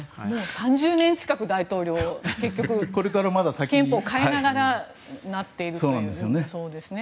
３０年近く大統領を結局、憲法を変えながらなっているそうですね。